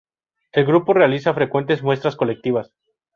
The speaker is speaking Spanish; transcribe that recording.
El grupo realiza frecuentes muestras colectivas.